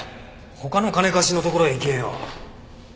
他の金貸しのところへ行けよ。